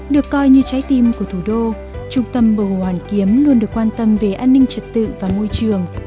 được coi như trái tim của thủ đô trung tâm bầu hồ hoàn kiếm luôn được quan tâm về an ninh trật tự và môi trường